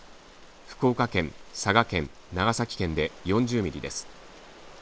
福岡県、佐賀県、長崎県で４０ミリです。